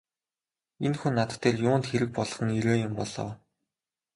Энэ хүн над дээр юунд хэрэг болгон ирээ юм бол оо!